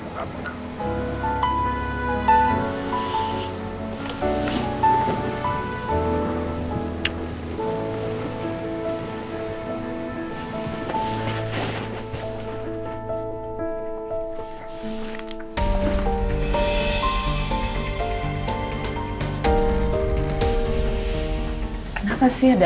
dengan teman tan kadir